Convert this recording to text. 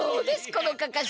このかかし！